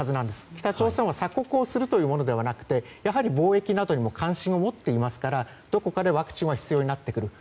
北朝鮮は鎖国をするというものではなくて貿易などにも関心を持っていますからどこかでワクチンは必要になってくると。